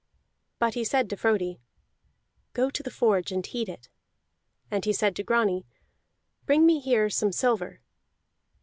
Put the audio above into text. But he said to Frodi, "Go to the forge and heat it." And he said to Grani, "Bring me here some silver."